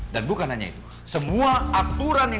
dan bukan hanya itu